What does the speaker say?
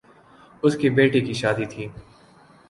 س کے بیٹے کی شادی تھی